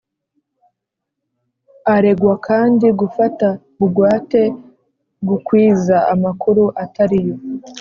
Aregwakandi gufata bugwate, gukwiza amakuru atariyo